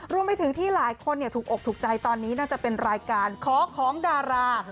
รวมไปถึงที่หลายคนถูกอกถูกใจตอนนี้น่าจะเป็นรายการขอของดารา